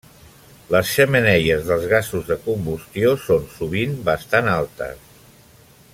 Les xemeneies dels gasos de combustió són sovint bastant altes.